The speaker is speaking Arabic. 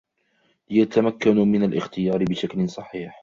ليتمكنوا من الاختيار بشكل صحيح